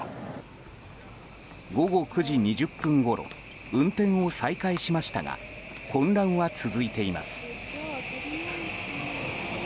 午後９時２０分ごろ運転を再開しましたが混乱は続いています。